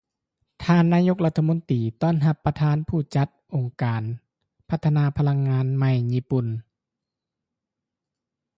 ທ່ານນາຍົກລັດຖະມົນຕີ ຕ້ອນຮັບປະທານຜູ້ຈັດການອົງການພັດທະນາພະລັງງານໃໝ່ຍີ່ປຸ່ນ